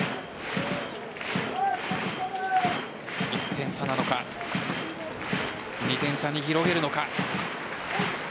１点差なのか２点差に広げるのか。